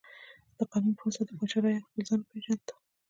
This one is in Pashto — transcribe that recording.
د قانون په مرسته د پاچا رعیت خپل ځای وپیژند.